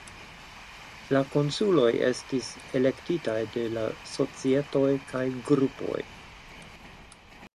La konsuloj estis elektitaj de la societoj kaj grupoj.